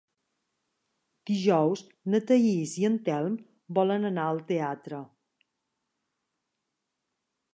Dijous na Thaís i en Telm volen anar al teatre.